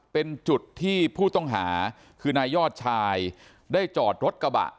เป็นจุดที่ผู้ต้องหาคือนายยอดชายได้จอดรถกระบะ